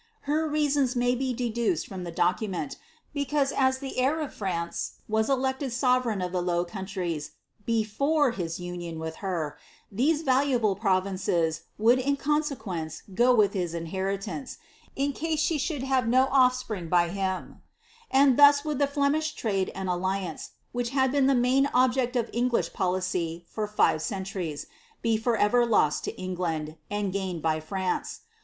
Her reasons may be deduced from the document, because as the heir of France was elected sovereign of the Low Countries before his union with her, these valuable provinces would in consequence go with his inheritance, in c^ise she should have no ofl&pring by him ; and thus would the Flemish trade and alliance, vhich had been the main object of English policy for five centuries, be for ever lost to England, and gained by France.